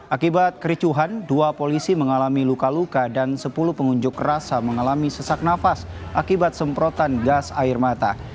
akibat kericuhan dua polisi mengalami luka luka dan sepuluh pengunjuk rasa mengalami sesak nafas akibat semprotan gas air mata